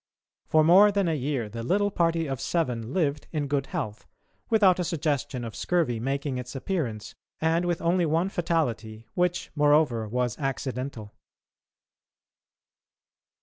For more than a year the little party of seven lived in good health, without a suggestion of scurvy making its appearance and with only one fatality, which, moreover, was accidental.